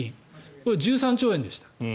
これ、１３兆円でした。